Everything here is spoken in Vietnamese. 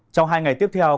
trong hai ngày tiếp theo